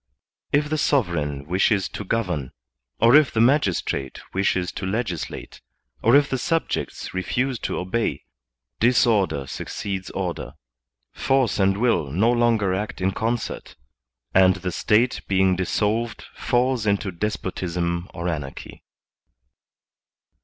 If the sov ereign wishes to govern, or if the magistrate wishes to legislate, or if the subjects refuse to obey, disorder suc ceeds order, force and will no longer act in concert, and the State being dissolved falls into despotism or anarchy.